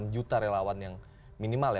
delapan juta relawan yang minimal ya